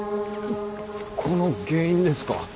この原因ですか！？